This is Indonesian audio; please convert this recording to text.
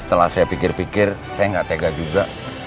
setelah saya pikir pikir saya nggak tega juga